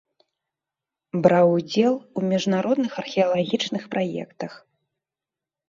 Браў удзел у міжнародных археалагічных праектах.